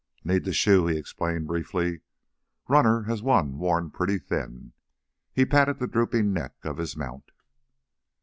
"Need the shoe," he explained briefly. "Runner has one worn pretty thin." He patted the drooping neck of his mount.